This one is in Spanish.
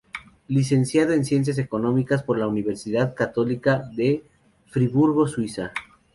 Licenciado en Ciencias Económicas por la Universidad Católica de Friburgo, Suiza.